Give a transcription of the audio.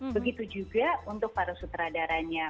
begitu juga untuk para sutradaranya